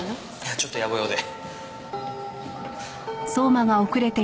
ちょっと野暮用で。